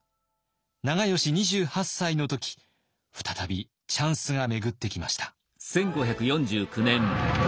長慶２８歳の時再びチャンスが巡ってきました。